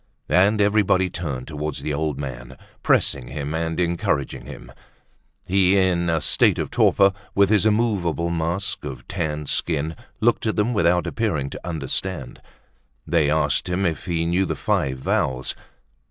And everybody turned towards the old man, pressing him and encouraging him. He, in a state of torpor, with his immovable mask of tanned skin, looked at them without appearing to understand. They asked him if he knew the "Five Vowels."